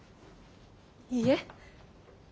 いいえ！